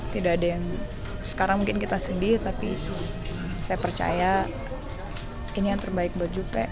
tidak ada yang sekarang mungkin kita sedih tapi saya percaya ini yang terbaik buat juppe